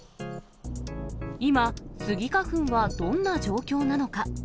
今、スギ花粉はどんな状況なのか。